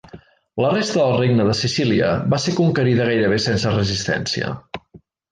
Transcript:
La resta del Regne de Sicília va ser conquerida gairebé sense resistència.